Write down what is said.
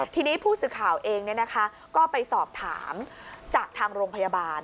ทีนี้ผู้สื่อข่าวเองก็ไปสอบถามจากทางโรงพยาบาล